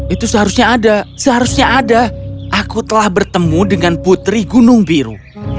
itu seharusnya ada seharusnya ada aku telah bertemu dengan putri gunung biru